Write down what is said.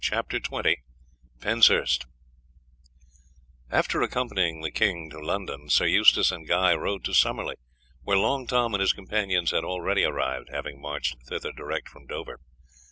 CHAPTER XX PENSHURST After accompanying the king to London Sir Eustace and Guy rode to Summerley, where Long Tom and his companions had already arrived, having marched thither direct from Dover.